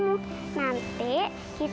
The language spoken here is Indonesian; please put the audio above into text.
aku akan menyesal